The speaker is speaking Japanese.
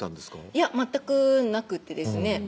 いや全くなくってですね